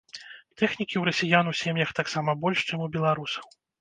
Тэхнікі ў расіян у сем'ях таксама больш, чым у беларусаў.